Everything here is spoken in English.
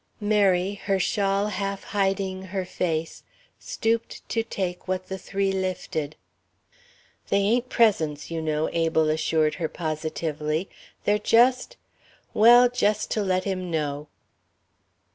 Mary, her shawl half hiding her face, stooped to take what the three lifted. "They ain't presents, you know," Abel assured her positively. "They're just well, just to let him know."